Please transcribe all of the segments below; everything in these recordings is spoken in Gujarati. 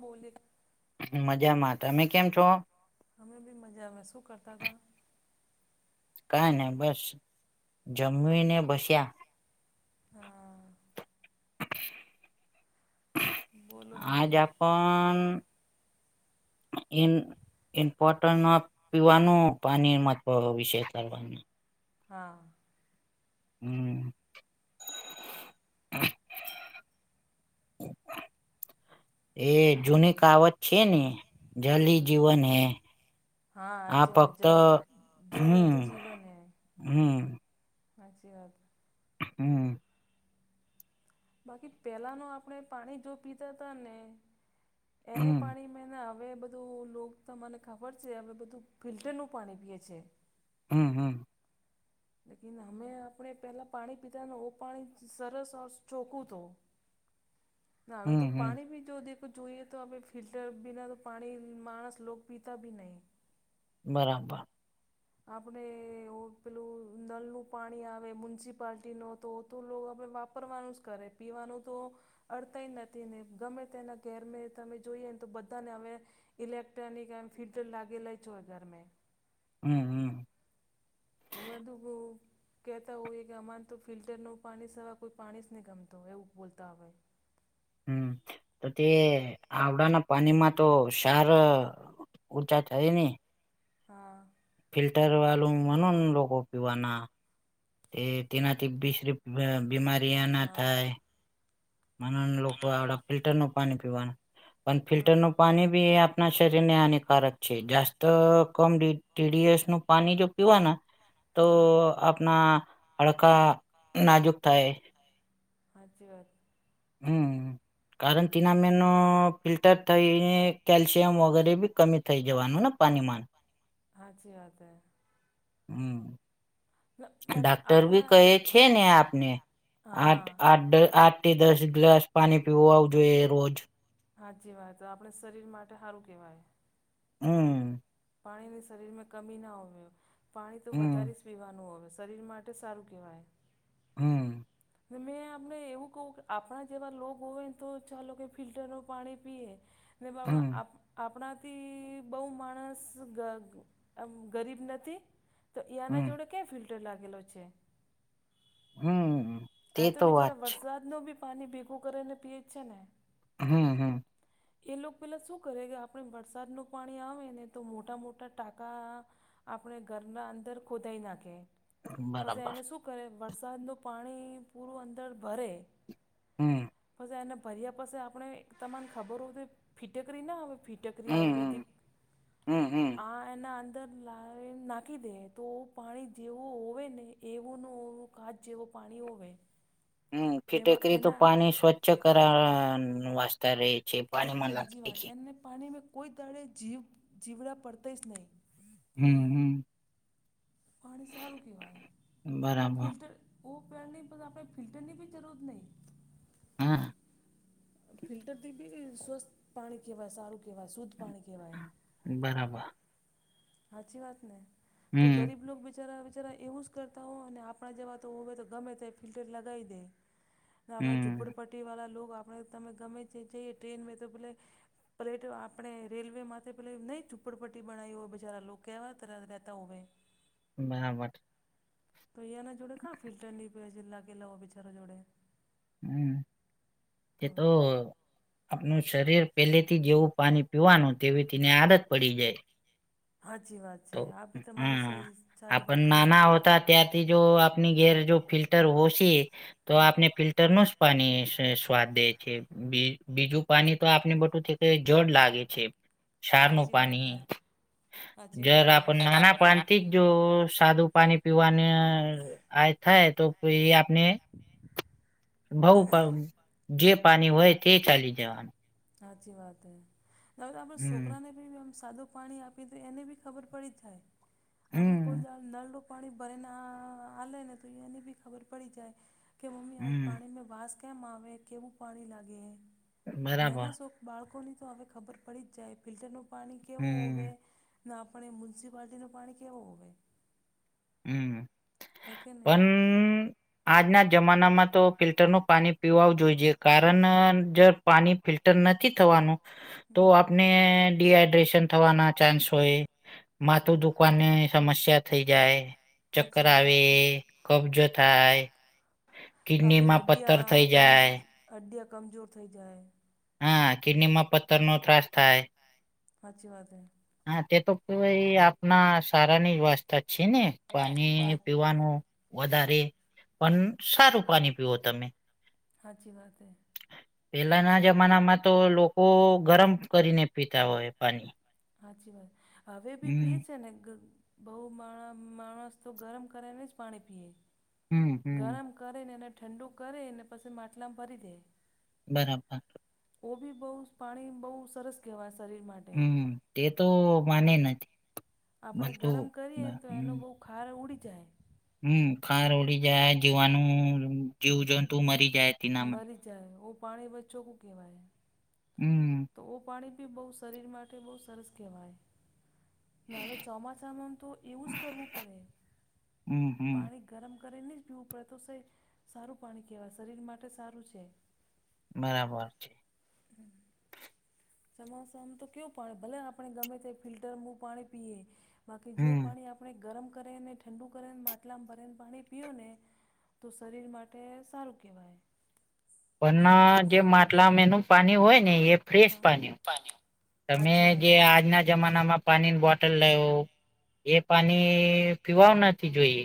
બોલે. મજામાં તમે કેમ છો? અમે બી મજા મહેસૂ કરતા હતા? કઈ નને બસ, જમવી ને બસ્યા. હા. બોલો આજ બીજું આપણ ઇમપોટ પીવાનું પાણી મ ઓ વિશેય કરવાવાની. હા. હમ. એ જુની કાવત છે ન, જલી જીવન હૈ. હા આ હાચી વાત. ફક્ત જલ જલ હે તો જીવન હૈ. હમ્મ. હાચી વાત. હમ્મ. બાકી પહેલા નો આપણે પાણી જો પીતા તા ને એને હમ પાણી મે ના હવે બધ ધું લોક તમને ખબર છે હવે બધું ફિલ્ટરનું પાણી પીએ છે. હમ્મ-હમ્મ. લેકિન હમે આપણે પહેલા પાણી પીતા ને ઓ પાણી સરસ ઔર ચોખ્ખું તો. [inaudible] ને હવે તો હમ હમ પાણી બી જો દે તો જોઈએ તો હવે ફિલ્ટર બીના તો પાણી માણસ લોક પીતા બી નહીં. બરાબર. આપણે એવો પેલું નલનું પાણી આવે મ્યુનિસિપાલટીનો તો તો લો આપણે વા પરવાનું જ કરે પીવાનું તો અડતાય નથી ને ગમે તેના ઘેર મે તમે જોઈએ ને તો બધાને હવે ઇલેક્ટ્રોનિક એમ ફિલ્ટર લાગેલા જ હોય ઘરમે હમ હમ. હવે બધું બોવ કહેતા હોઈએ કે અમારને તો ફિલ્ટરનું પાણી સિવા કોઈ પાણી જ નહીં ગમતું, એવું બોલતા હોય. હમ્મ. તો તે આવડાના પાણીમાં તો સાર [unintelligible] હા. ફિલ્ટર વાલું મનન લોકો પીવાના, એ તનાથી બીસરી મે બીમારીયાં ના હા થાય મનન લોકો આવડા ફિલ્ટર નું પાણી પીવાનું, પણ હા ફિલ્ટર નું પાની બી એ આપણા શરીર ને હાનિકારક છે, જાસ્ત કમ ડી ટીડીએસ નું પાણી કે પીવાના તો હા આપના હડકા નાજુક થાય હાચી વાત હમ કારણ તીના મેનો ફિલ્ટર થઈને કેલ્શિયમ વગેરે બી કમી થઈ જવાનું ને પાનીમા હાચી વાત હે હમ. બાકી ડાક્ટર આપણા બી કહે આ છે, ને આપને આઠ હા આડ આ થી દસ ગ્લાસ પાણી પીવાવ જોઈએ રોજ હાચી વાત આપણે શરીર માટે હારું કેહેવાય હમ. પાણીની શરીરમાં કમી ના હો પાણી તો હમ વધારે જ પીવાનું હોવે શરીર માટે સારું કહેવાય હમ. ને મેં આપને એવું કહું કે આપણા જેવા લોગ હોય ને તો ચાલો કે ફિલ્ટરનું પાણી પીએ ને [unintelligible] હમ આ આપણા થી બોવ માણસ ગ એમ ગરીબ નથી તો એના હમ જોડે કે ફિલટર લાગેલો છે. હમ. તે આ તો વાત બિચારા છે વરસાદ નુ બી પાની ભેગું કરી ને પીયે જ છે, ને હમ હમ. એ લોક પેલાં શું કરે કે આપણે વરસાદનું પાણી આવે ને તો મોટા મોટા ટાંકા આપણે ઘરના અંદર ખોદાઈ નાખે પછી બરાબર એમે શું કરે વરસાદનું પાણી પૂરું અંદર ભરે હમ. પછી એને ભર્યા પછી આપણે તમામ ખબર હોય ફીટે કરી ના હવે ફી હમ ટકરી હમ આયુર્વેદિક હમ હમ આ એના અંદર લાવીને નાખી દે તો પાણી જેવું હોવે ને એવુંનો કાચ જેવો પાણી ઓવે હમ ફિટેકરી તો પાણી સ્વચ્છ કર વાસતા રે છે. પાણીમાં હાજી લાગે વાત એમને પાણી મે કોઈ દાડે જીવ જીવડા પડતા જ નહીં હમ હમ. પાણી સારું કહેવાય ઓ બરાબર ફિલટર ઓ પહેણની આપણે ફલ્ટરની જરૂર નય હા. ફિલ્ટરથી બી સ્વસ્થ પાણી કહેવાય સારું કહેવાય શુદ્ધ પાણી કહેવાય બરાબર. હાચી વાત ને તો હમ ગરીબ લોક બિચારા બચારા એવું જ કરતા હો, અને આપણા જેવા તો હવે ગમે તે ફિલ્ટર લગાઈ દે. ને આપણા હમ ઝુંપડપટ્ટી વાળા લોક આપણે તમે ગમે જે જે ટ્રેન મે તો પેલે પ્લેટ આપણે રેલવે માથે નહી ઝુંપડપટ્ટી બનાઈ હો, પછ જરા લોકો કેવા તરા રહેતા હોવે બા વત તો અહીં ના જોડે કા ફિલ્ટર ની લાગે લો બિચારા જોડે હમ એ તો આપનું શરીર પહેલેથી જેવું પાણી પીવાનું તેવી તીને આદત પડી જાય હાચી વાત છે, તો આ ભી તમારી સ હા સારી આપણ વાત નાના કેવાય હોતા ત્યારથી જો આપની ઘેર જો ફિલ્ટર હોશે તો હા આપને ફિલ્ટર નું જ પાણી સ સ્વાદ દે છે, [unintelligible] બીજું પાણી તો આપને બધું છે કે જળ લાગે છે, ક્ષાર નું હાચી વાત પાણી. હે હાચી વાત જળ છે. આપન નાના પાન ઠીક જો સાદુથ પાણી પીવાને આ થાય તો પહી આપને બહુ પ જે પાણી હોય તે ચાલી જાવાનું. હાચી વાત હે. [unintelligible] આપણા હમ સોકરા ને [unintelligible] સાદું પાણી આપી દઈએ એને બી ખબર પડી જાય. આપડે કોઈ હમ દાલ નલનું પાણી ભરાઈને આ હાલે ને તો એને બી ખબર પડી જાય કે મમ્મી આજ હમ પાણી મે વાસ કેમ આવે, કેવું પાણી લાગે હે. બરાબર નેના શો બાળકોની તો હવે ખબર પડી જ જાય, ફિલ્ટરનું પાણી કેવો હોવે. હમ ને આપણે મ્યુનિસિપાલટીનો પાણી કેવો હોવે. હમ્મ. હે કે નહીં પણ આજના જમાનામાં તો ફિલ્ટરનું પાણી પીવાવ જોઈએ, કારણ જ પાણી ફિલ્ટર નથી થવાનું. તો હમ આપને ડી હાઈડ્રેશન થવાના ચાન્સ હોય, માથું દુખવાને સમસ્યા થઈ જાય. ચક્કર સાચી આવ વાત આપણે વે, કબજો થાય, કિડની માં પથ્થર થઈ જાય અડ્ડિયા કમજોર થઈ જાય. હા કિડની માં પત્તર નો ત્રાસ થાય. હાચી વાત હે. હા તે તો કોઈ આપના સારાની જ વસ્થા છે ને, પાની પીવાનું વધારે પણ સારું પાણી પીવો તમે. હાચી વાત હૈ. પહેલાના જમાના માં તો લોકો ગરમ કરીને પીતા હોય પાણી. સાચી વાત. હવે બી પીએ હમ છે ને ગ બહુ માણાં માણસ તો ગરમ કરીને જ પાણી પીએ. હમ્મ-હમ્મ. ગરમ કરી ને એને ઠંડુ કરી ને પછી માટલામાં ભરી દે. બરાબર. ઓ બી બહુ પાણી બહુ સરસ કહેવાય શરીર માટ હમ્મ. તે તો માને નથી. આપણે ગરમ બનતું કરીએ ને તો એનો બહુ ખાર ઉડી જાય. હમ્મ. ખાર ઉડી જાય જીવાનું જીવજંતુ મરી જાય તેનામાં. મરી જાય ઓ પાણી બ ચોખ્ખું કહેવાય હમ્મ. તો ઓ પાણી બી બહુ શરીર માટે બહુ સરસ કહેવાય. ને હવે ચોમાસામાંમાં તો એવું જ કરવું પડે. હમ હમ. પાણી ગરમ કરી ને જ પીવું પડે તો, સે સારું પાણી કહેવાય શરીર માટે સારું છે. બરાબર છે. ચોમાસામાં તો કેવું પાણી, ભલે આપણે ગમે તે ફિલ્ટરમનું, પાણી પીએ બાકી જેવું હમ. પાણી આપ પણે ગરમ કરીને ઠંડુ કરી ને માટલામાં ભરી ને પાણી પીયો ને તો શરીર માટે સારું કહેવાય. વરના જે માટલામાં એનું પાણી હોય ને એ ફ્રેશ હા પાન તમે સાચી વાત. જે આજના જમાનામાં પાણીની બોટલ લેઓ એ પાની પીવાવ નથી જોઈએ.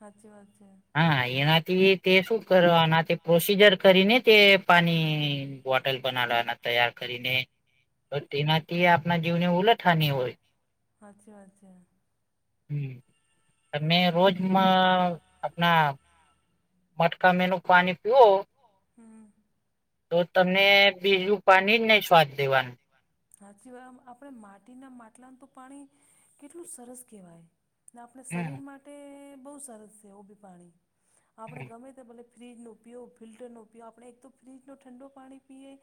હાચી વાત છે. હા એનાથી તે શું કરવાના પ્રોસીજર કરીને તે પાની બોટલ બનાવવાના તૈયાર કરીને, તો તેનાથી આપ હાચી વાત છે. હમ્મ. તમને રોજમાં આપના મટકા મેનુ પાની પીઓ. હમ. તો તમને બીજું પાણી જ નહીં સ્વાદ દેવાનું. હાચી વાત આમ આપણે માટીના માટલાનું તો પાણી કેટલું સરસ કહેવાય. ને આપણે હમ શરીર માટે બહુ સરસ છે ઓ ભી પાણી આપણે હમ ગમે તે ભલે ફ્રીજનું પીયો ફિલ્ટરનું પીયો આપણે એક તો ફ્રીજનું ઠંડું પાણી પીએ.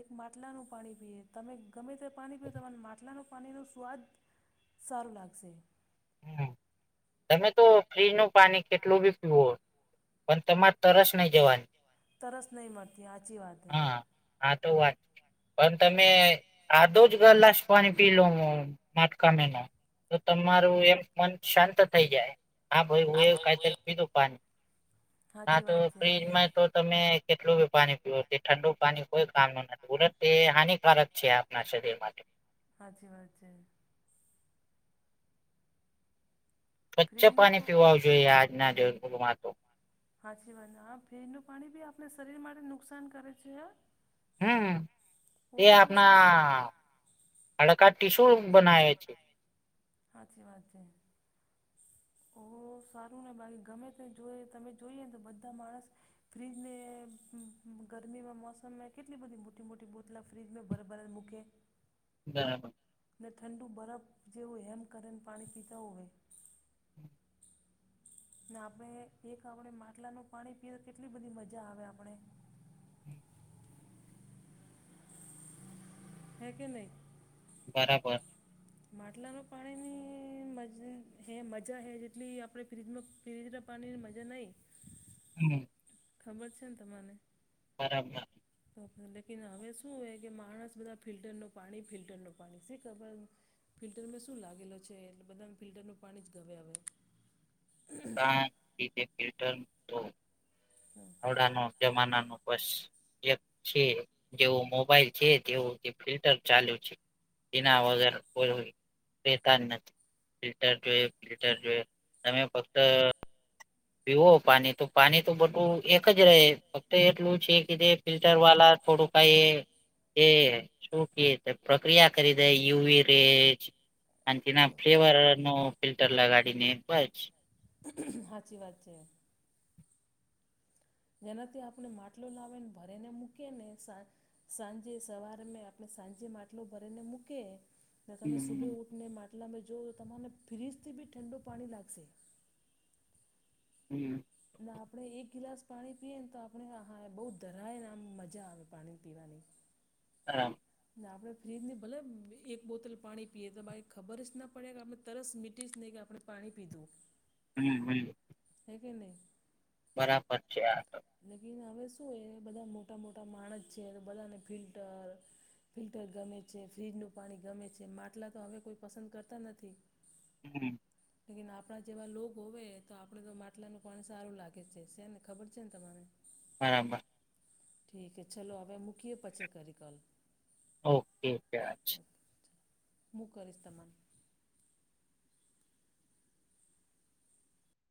એક માટલાનું પાણી પીએ તમે ગમે તે પાણી પીઓ તમારે માટલાનું પાણીનો સ્વાદ સારું લાગશે. હમ તમે તો ફ્રીજનું પાણી કેટલું બી પીવો પણ તમાર તરસ નહી મટતી હાચી વાત હે. હા હા તો વાત પણ તમે આધો જ ગલાશ પાણી પી લો. માટકામેના તો તમારું એમ મન શાંત થઈ જાય. હા ભાઈ હું એ કાતર પી લઉ પાણી ના સાચી આતો વાત છે ફ્રીજમાં તો તમે કેટલું બી પાણી પીવો તે ઠંડું પાણી કોઈ કામનું નથી બોલોન. તે હાનિકારક છે આપણા શરીર માટે. હાચી વાત છે. સ્વચ્છ ફ્રીજનું પાણી પ પીવાવુ જોઈએ આજના દિવસોમાં તો. હાચી વાત છે હ આ ફ્રીજનું પાણી બી આપણે શરીર માટે નુકસાન કરે છે હ. હમ્મ, તે કોઈ આપણા સારું હાડકા ટીશુ બનાવે છે. હાચી વાત છે. [inaudible] ઓહ! સારું ને બાકી ગમે તે જો તમે જોઈએને તો બધા માણસ ફ્રીજને ગરમીમાં મોસમમાં કેટલી બધી મોટી-મોટી બો મતલબ ફ્રિજમે બરફ બનાઈન મૂકે. બરાબર. ને ઠંડુ બરફ જેવું હેમ કરીને પાણી પીતાઓ હોય. ને આપણે એક આપણે માટલાનું પાણી પીએ કેટલી બધી મજા આવે આપણેે. હે કે નહીં! બરાબર. માટલાનું પાણીની મજ હે મજા હે જેટલી આપણે ફ્રીજનુ ફ્રીજના પાણીની મજા નહીં. હમ્મ. ખબર છેન તમાને? બરાબર. તો ફિર લેકિન હવે શું હે કે માણસ બધા ફિલ્ટરનું પાણી ફિલ્ટરનું પાણી શી ખબર ફિલ્ટર મેં શું લાગેલો છે એટલે બધા ફિલ્ટરનું પાણી જ ગમે હવે. કા [unintelligible] ફિલ્ટરનું તો. હમ્મ. હવડાનો જમાનાનું બસ. એક છે જેવો મોબાઈલ છે તેવું કે ફિલ્ટર ચાલુ છે. તેના વગર કોઈ હોય રહેતા જ નથી. ફિલ્ટર કે જોઈ ફિલ્ટર જોઈએ તમે ફક્ત પીવો પાની તો પાની તો બધું એક જ રેય ફક્ત એટલું છે કે જે ફિલ્ટર વાલા થોડું કઈ એ શું કે પ્રક્રિયા કરી દેય યુવી રે કાનટીના ફ્લેવર નો ફિલ્ટર લગાડી ને બચ હાચી વાત છે. જેનાથી આપણે માટલો લાવેને ભરેને મૂકી ને સા સાંજે સવારમેં આપણે સાંજે માટલો ભરીને મૂકે ને તમે સુભે હમ ઊઠને માટલામે જોવો તો તમને ફ્રીજથી બી ઠંડુ પાણી લાગશે. હમ્મ. ના આપણે એક ગિલાસ પાણી પીએ ને તો આપણે હા હા બઉ ધરાયને આમ મજા આવે પાણી પીવાની. હા. ને આપડે ફ્રીજની ભલે એક બોતલ પાણી પીએ તો બાય ખબર જ ના પડે કે આપણે તરસ મીટી જ નહી કે આપણે પાણી પીધું હમ હમ. થય ગય ને બરાબર છે, આ ત લેકીન હવે શું એ બધા મોટા મોટા માણસ છે, તો બધાને ફિલ્ટર ફિલ્ટર ગમે છે, ફ્ર્રીજનું પાણી ગમે છે, માટલા તો હવે કોઈ પસંદ કરતા નથી [inaudible] તી આપડા જેવા લોગ હોવે તો આપડે તો માટલાનું પાણી સારું લાગે છે, સે ને ખબર ચિંન તમારે બરાબર. ઠીકે ચલો હવે મૂકીએ પછી કરી કલ ઓકે ઓકે. મુું કરીશ તમે?